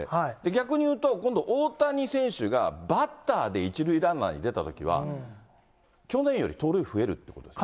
逆に言うと、今度、大谷選手がバッターで１塁ランナーに出たときは、去年より盗塁増えるっていうことですか。